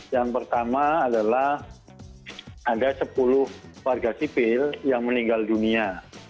yang pertama adalah ada sepuluh warga sipil yang meninggal dunia